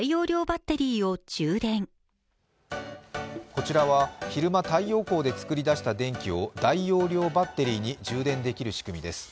こちらは、昼間、太陽光で作り出した電気を大容量バッテリーに充電できる仕組みです。